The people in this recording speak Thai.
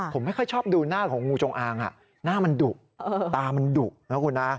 ผมไม่ค่อยชอบดูหน้าของงูจงอางหน้ามันดุตามันดุนะคุณนะ